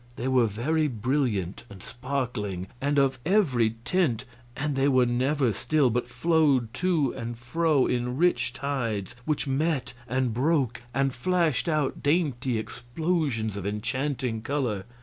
They were very brilliant and sparkling, and of every tint, and they were never still, but flowed to and fro in rich tides which met and broke and flashed out dainty explosions of enchanting color.